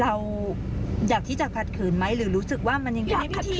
เราอยากที่จะขัดขืนไหมหรือรู้สึกว่ามันยังแบบ